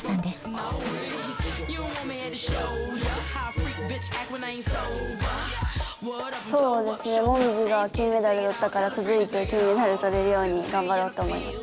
もみじが金メダルだったから続いて金メダルとれるように頑張ろうと思いました。